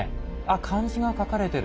漢字が書かれてる。